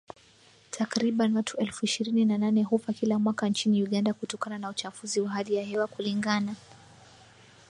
Takriban watu elfu ishirini na nane hufa kila mwaka nchini Uganda kutokana na uchafuzi wa hali ya hewa kulingana